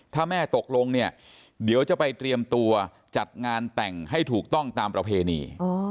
ถ้าแม่ตกลงเนี่ยเดี๋ยวจะไปเตรียมตัวจัดงานแต่งให้ถูกต้องตามประเพณี